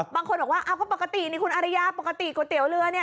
บางคนบอกว่าอ้าวก็ปกตินี่คุณอารยาปกติก๋วยเตี๋ยวเรือเนี่ย